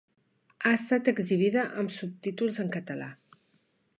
Ha estat exhibida amb subtítols en català.